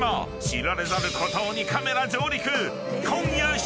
知られざる孤島にカメラ上陸。